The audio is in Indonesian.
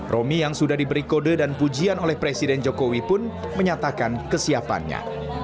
romi yang sudah diberi kode dan pujian oleh presiden jokowi pun menyatakan kesiapannya